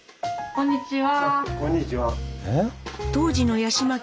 こんにちは。